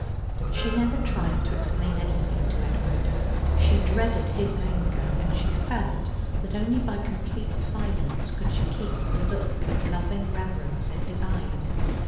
She never tried to explain anything to Edward. She dreaded his anger, and she felt that only by complete silence could she keep the look of loving reverence in his eyes.